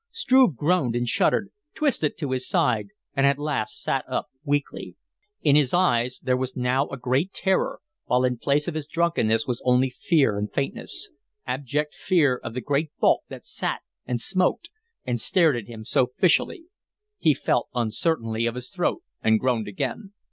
Struve groaned and shuddered, twisted to his side, and at last sat up weakly. In his eyes there was now a great terror, while in place of his drunkenness was only fear and faintness abject fear of the great bulk that sat and smoked and stared at him so fishily. He felt uncertainly of his throat, and groaned again.